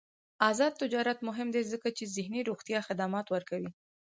آزاد تجارت مهم دی ځکه چې ذهني روغتیا خدمات ورکوي.